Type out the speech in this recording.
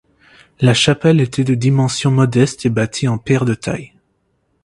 La chapelle était de dimensions modestes et bâtie en pierres de taille.